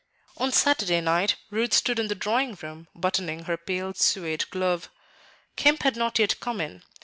On Saturday night Ruth stood in the drawing room buttoning her pale suede glove. Kemp had not yet come in.